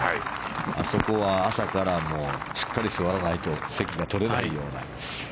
あそこは朝からしっかり座らないと席が取れないような。